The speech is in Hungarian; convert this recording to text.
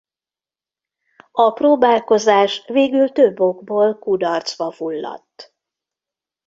A próbálkozás végül több okból kudarcba fulladt.